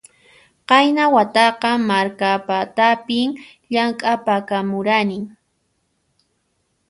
Qayna wataqa Markapatapin llamk'apakamurani